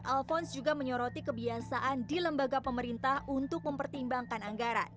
alphonse juga menyoroti kebiasaan di lembaga pemerintah untuk mempertimbangkan anggaran